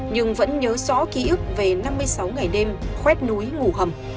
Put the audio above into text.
nhưng vẫn nhớ rõ ký ức về năm mươi sáu ngày đêm khoét núi ngủ hầm